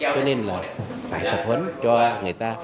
cho nên là phải tập huấn cho người ta